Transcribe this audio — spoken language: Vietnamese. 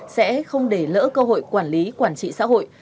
sẽ không để lỡ cơ hội quản lý quản trị xã hội